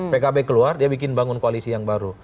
pkb keluar dia bikin bangun koalisi yang baru